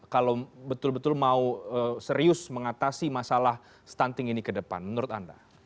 kalau betul betul mau serius mengatasi masalah stunting ini ke depan menurut anda